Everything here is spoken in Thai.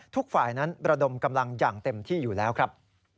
ทุกฝ่ายนั้นระดมกำลังอย่างเต็มที่อยู่แล้วครับ